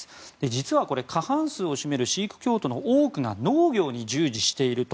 実は過半数を占めるシーク教徒の多くが農業に従事していると。